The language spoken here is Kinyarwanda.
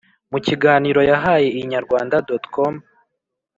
Mu kiganiro yahaye Inyarwanda.com,